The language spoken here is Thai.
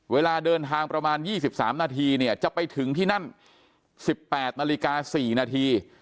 เวลาเดินทางประมาณ๒๓นาทีเนี่ยจะไปถึงที่นั่น๑๘นาฬิกา๔นาที